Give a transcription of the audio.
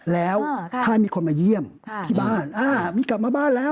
แล้วถ้ามีคนมาเยี่ยมที่บ้านมีกลับมาบ้านแล้ว